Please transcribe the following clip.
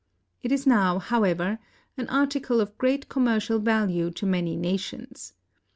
It is now, however, an article of great commercial value to many nations.